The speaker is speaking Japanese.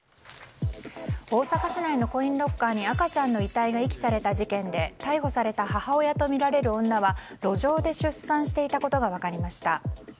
大阪市内のコインロッカーに赤ちゃんの遺体が遺棄された事件で逮捕された母親とみられる女は路上で出産していたことが分かりました。